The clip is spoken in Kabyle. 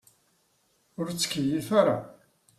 Ur ttkeyyif ara.